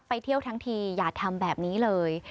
เที่ยวทั้งทีอย่าทำแบบนี้เลย